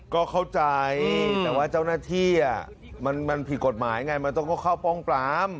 ก็เข้าใจแต่ว่าเจ้าหน้าที่มันผิดกฎหมายไงมันต้องเข้าป้องปราม